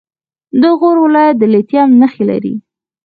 د غور ولایت د لیتیم نښې لري.